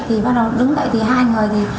thì bắt đầu đứng dậy thì hai người